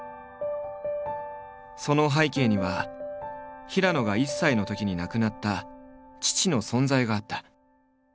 その背景には平野が１歳のときに亡くなった父の存在があった。